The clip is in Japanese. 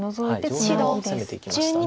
上辺を攻めていきました。